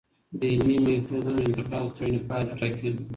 د علمي میتودونو انتخاب د څېړنې پایله ټاکي.